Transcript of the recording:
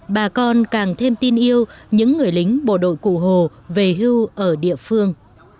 bà con càng thêm tin yêu những người lính bộ đội cụ hồ về hưu ở địa phương